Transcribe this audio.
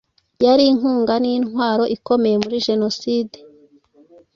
yari inkunga n’intwaro ikomeye muri jenoside.